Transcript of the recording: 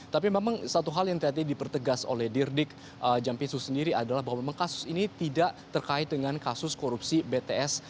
tapi memang satu hal yang tadi dipertegas oleh dirdik jampitsu sendiri adalah bahwa memang kasus ini tidak terkait dengan kasus korupsi bts